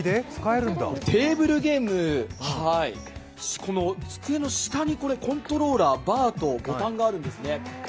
テーブルゲーム、この机の下にコントローラー、バーとボタンがあるんですね。